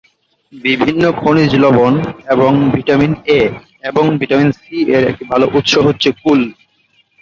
বিভিন্ন খনিজ লবণ এবং ভিটামিন এ এবং ভিটামিন সি-এর একটি ভালো উৎস হচ্ছে কুল।